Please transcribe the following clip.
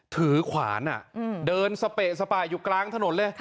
ขวานเดินสเปะสปายอยู่กลางถนนเลย